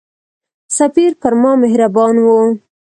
سفیر پر ما مهربان وو.